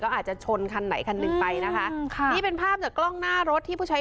อาจจะชนคันไหนคันหนึ่งไปนะคะค่ะนี่เป็นภาพจากกล้องหน้ารถที่ผู้ใช้